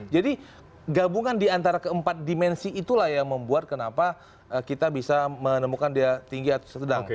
jadi gabungan diantara keempat dimensi itulah yang membuat kenapa kita bisa menemukan dia tinggi atau setidaknya